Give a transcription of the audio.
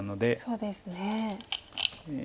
そうですね。